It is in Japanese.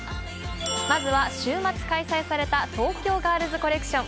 まずは週末開催された東京ガールズコレクション。